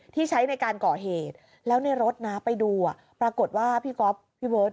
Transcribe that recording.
ที่ใช้ในการก่อเหตุแล้วในรถนะไปดูปรากฏว่าพี่ก๊อฟพี่เบิร์ต